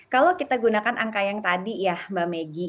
kalau kita gunakan angka yang tadi ya mbak meggy